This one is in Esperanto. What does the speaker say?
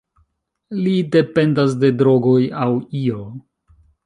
Li dependas de drogoj aŭ io.